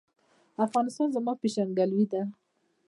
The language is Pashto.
افغانستان زما پیژندګلوي ده